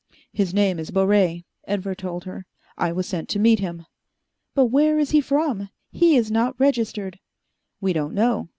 "His name is Baret," Edvar told her. "I was sent to meet him." "But where is he from? He is not registered." "We don't know.